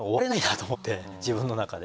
自分の中で。